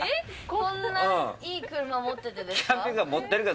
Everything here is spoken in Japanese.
こんないい車持っててですか？